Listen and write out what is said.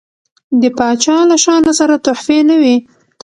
د پاچا له شانه سره تحفې نه وي.